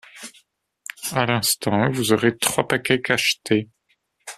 À l’instant vous aurez trois paquets cachetés...